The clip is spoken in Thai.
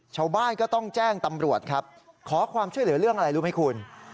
ชาวบ้านก็ต้องแจ้งตำรวจครับขอความช่วยเหลือเรื่องอะไรรู้ไหมคุณ